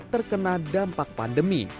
terkena dampak pandemi